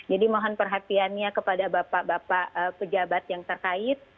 jadi mohon perhatiannya kepada bapak bapak pejabat yang terkait